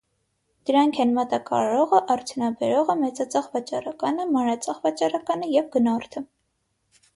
Դրանք են մատակարարողը, արդյունաբերողը, մեծածախ վաճառականը, մանրածախ վաճառականը և գնորդը։